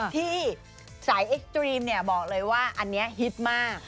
ที่สายเอ็กซตรีมเนี่ยบอกเลยว่าอันนี้ฮิตมาก